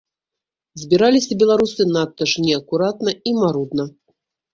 Збіраліся беларусы надта ж неакуратна і марудна.